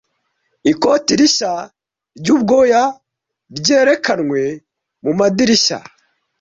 Ikoti rishya ryubwoya ryerekanwe mumadirishya.